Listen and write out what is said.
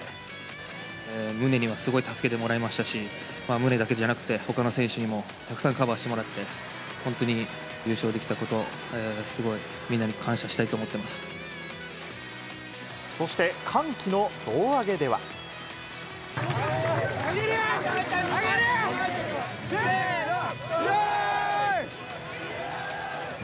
宗にはすごい助けてもらいましたし、宗だけじゃなくて、ほかの選手にもたくさんカバーしてもらって、本当に優勝できたことを、すごいみんなに感謝したいと思っそして、上げるよ、上げるよ！